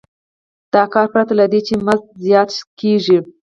دا کار پرته له دې چې مزد زیات شي کېږي